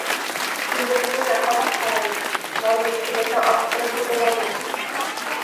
Килемде һанап ҡарайым, планды икеләтә арттырып үтәгәнмен!